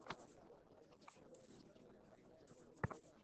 Senator না হলেও এতদিনে কমপক্ষে দুই তারকাপ্রাপ্ত এডমিরাল হওয়ার তো কথা ছিল তোমার।